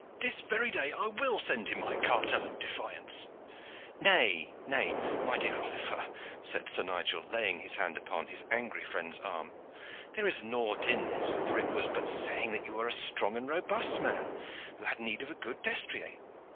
This very day I will send him my cartel and defiance." "Nay, nay, my dear Oliver," said Sir Nigel, laying his hand upon his angry friend's arm. "There is naught in this, for it was but saying that you were a strong and robust man, who had need of a good destrier.